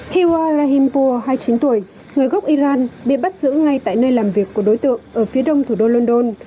khiwa rahimpur hai mươi chín tuổi người gốc iran bị bắt giữ ngay tại nơi làm việc của đối tượng ở phía đông thủ đô london